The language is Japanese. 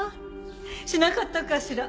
しなかったかしら。